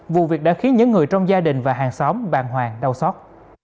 vụ việc đã khiến những người trong gia đình và hàng xóm bàng hoàng đau xót